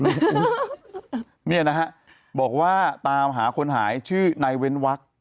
เนี่ยนะฮะบอกว่าตามหาคนหายชื่อนายเว้นวัก